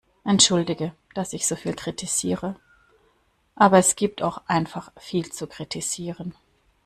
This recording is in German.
Entschuldige, dass ich so viel kritisiere, aber es gibt auch einfach viel zu kritisieren.